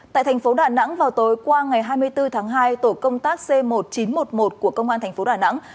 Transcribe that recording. tại thành phố đà nẵng vào tối qua ngày hai mươi bốn tháng hai tổ công tác c một nghìn chín trăm một mươi một của công an thành phố đà nẵng